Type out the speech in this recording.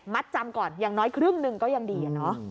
จำก่อนอย่างน้อยครึ่งหนึ่งก็ยังดีอะเนาะ